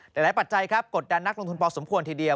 แต่ละปัจจัยกดดันนักลงทุนพอสมควรทีเดียว